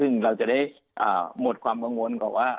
ซึ่งเราจะได้หมดความกังวลก่อนว่า